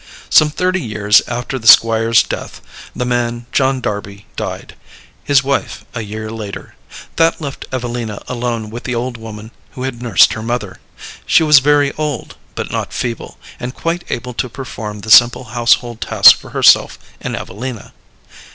Some thirty years after the Squire's death the man John Darby died; his wife, a year later. That left Evelina alone with the old woman who had nursed her mother. She was very old, but not feeble, and quite able to perform the simple household tasks for herself and Evelina.